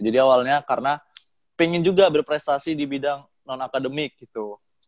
jadi awalnya karena pengen juga berprestasi di bidang non akademik gitu